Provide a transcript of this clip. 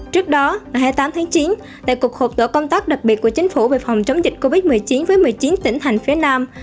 trước đó ngày hai mươi tám tháng chín tại cuộc họp tổ công tác đặc biệt của chính phủ về phòng chống dịch covid một mươi chín với một mươi chín tỉnh thành phía nam